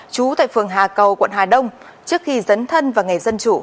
trú tại phường hà cầu quận hà đông trước khi dấn thân vào ngày dân chủ